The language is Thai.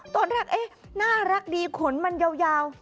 ตอนนี้น่ารักดีขนมันยาว